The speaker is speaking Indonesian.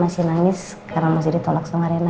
masih nangis karena masih ditolak sama rena